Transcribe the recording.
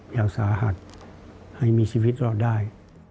อย่างสาหัสให้มีชีวิตรอดได้